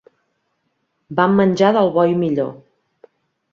Vam menjar del bo i millor.